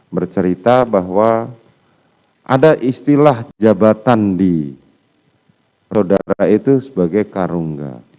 bercerita bahwa ada istilah jabatan di saudara itu sebagai karungga